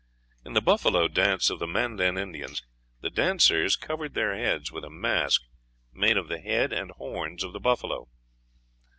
In the buffalo dance of the Mandan Indians the dancers covered their heads with a mask made of the head and horns of the buffalo.